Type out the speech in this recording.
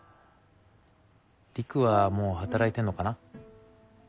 璃久はもう働いてるのかな？